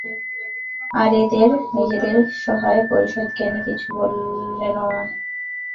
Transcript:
আর এদের, নিজের সহায়-পারিষদ জ্ঞানে কিছু বলেনও না।